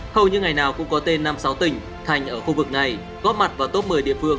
hầu như ngày nào cũng có tên năm mươi sáu tỉnh thành ở khu vực này góp mặt vào top một mươi địa phương